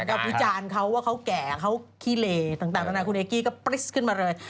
ก็วิจารณ์เขาว่าเขาแก่เขาขี้เหลต่างนานาคุณเอกกี้ก็ปริศขึ้นมาเลย